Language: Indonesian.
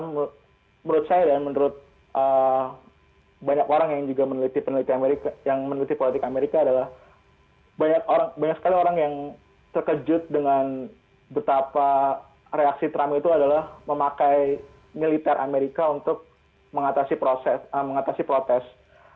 menurut saya dan menurut banyak orang yang juga meneliti peneliti amerika yang meneliti politik amerika adalah banyak sekali orang yang terkejut dengan betapa reaksi trump itu adalah memakai militer amerika untuk mengatasi protes